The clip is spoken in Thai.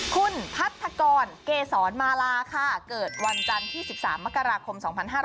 คุณพัทธกรเกษรมาลาค่ะเกิดวันจันทร์ที่๑๓มกราคม๒๕๕๙